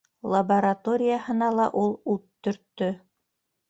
Лабораторияһына ла ул ут төрттө!